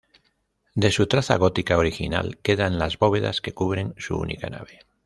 De su traza gótica original quedan las bóvedas que cubren su única nave.